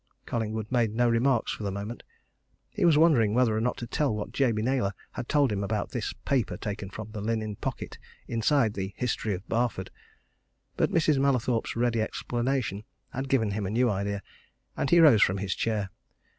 Collingwood made no remarks for the moment. He was wondering whether or not to tell what Jabey Naylor had told him about this paper taken from the linen pocket inside the History of Barford. But Mrs. Mallathorpe's ready explanation had given him a new idea, and he rose from his chair.